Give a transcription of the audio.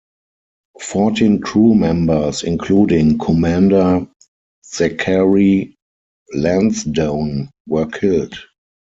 Fourteen crew members, including Commander Zachary Lansdowne, were killed.